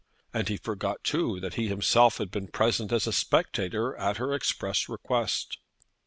And he forgot, too, that he himself had been present as a spectator at her express request.